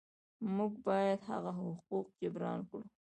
موږ باید هغه حقوق جبران کړو.